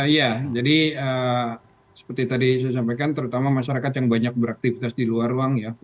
iya jadi seperti tadi saya sampaikan terutama masyarakat yang banyak beraktivitas di luar ruang ya